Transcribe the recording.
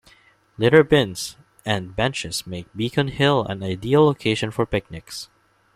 Litter bins and benches make Beacon Hill an ideal location for picnics.